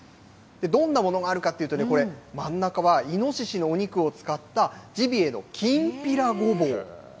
どんなものがあるかっていうと、これ、真ん中はイノシシのお肉を使ったジビエのきんぴらごぼう。